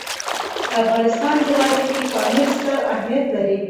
د افغانستان جغرافیه کې پامیر ستر اهمیت لري.